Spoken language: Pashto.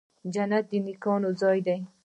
جنت د نیکانو ځای دی